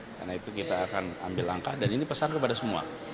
karena itu kita akan ambil langkah dan ini pesan kepada semua